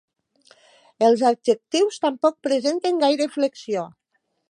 Els adjectius tampoc presenten gaire flexió.